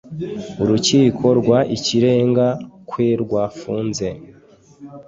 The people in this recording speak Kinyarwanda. urukiko rw ikirenga kwerwafunze